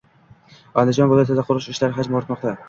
Andijon viloyatida qurilish ishlari hajmi ortmoqda